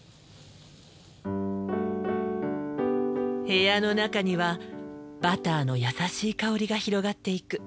部屋の中にはバターのやさしい香りが広がっていく。